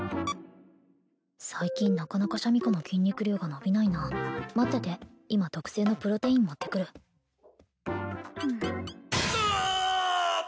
最近なかなかシャミ子の筋肉量が伸びないな待ってて今特製のプロテイン持ってくるアアーッ！